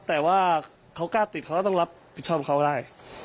แต่ว่าเขากล้าติดเขาก็ต้องรับผิดชอบเขาได้